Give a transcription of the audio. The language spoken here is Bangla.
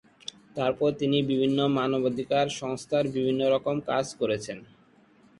তারপরে, তিনি বিভিন্ন মানবাধিকার সংস্থায় বিভিন্ন রকম কাজ করেছেন।